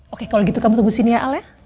oke kalau gitu kamu tunggu sini ya el ya